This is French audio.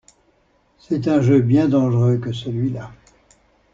C'est un jeu bien dangereux que celui-là!